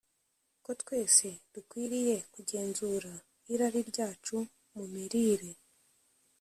ko twese dukwiriye kugenzura irari ryacu mu mirire